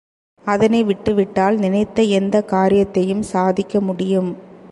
அதனை விட்டுவிட்டால் நினைத்த எந்தக் காரியத்தையும் சாதிக்க முடியும்.